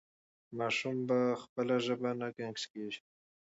ماشوم په خپله ژبه نه ګنګس کېږي.